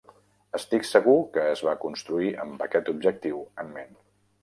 Estic segur que es va construir amb aquest objectiu en ment.